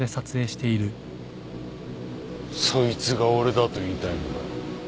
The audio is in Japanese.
そいつが俺だと言いたいのか。